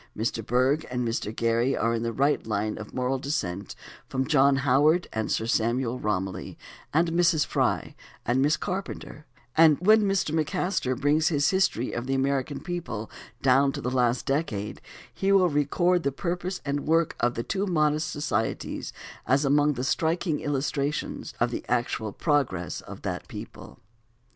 Mr. Bergh and Mr. Gerry are in the right line of moral descent from John Howard and Sir Samuel Romilly and Mrs. Fry and Miss Carpenter, and when Mr. McMaster brings his history of the American people down to the last decade he will record the purpose and work of the two modest societies as among the striking illustrations of the actual progress of that people.